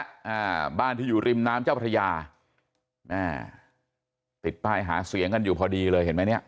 อ่าบ้านที่อยู่ริมน้ำเจ้าพระยาแม่ติดป้ายหาเสียงกันอยู่พอดีเลยเห็นไหมเนี้ย